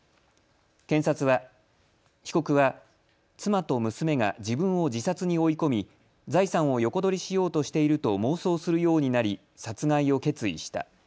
検察は被告は妻と娘が自分を自殺に追い込み財産を横取りしようとしていると妄想するようになり殺害を決意した。